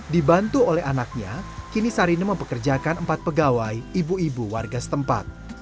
dibantu oleh anaknya kini sarine mempekerjakan empat pegawai ibu ibu warga setempat